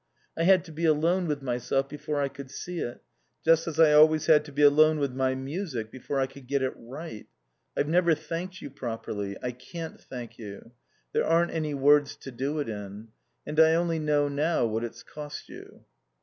I had to be alone with myself before I could see it, just as I always had to be alone with my music before I could get it right. I've never thanked you properly. I can't thank you. There aren't any words to do it in. And I only know now what it's cost you...."